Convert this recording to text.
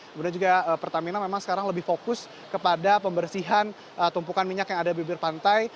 kemudian juga pertamina memang sekarang lebih fokus kepada pembersihan tumpukan minyak yang ada di bibir pantai